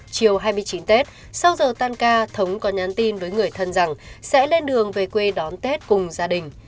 chiều hai mươi chín tết sau giờ tan ca thống có nhắn tin với người thân rằng sẽ lên đường về quê đón tết cùng gia đình